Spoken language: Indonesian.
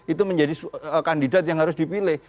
itu menjadi kandidat yang harus dipilih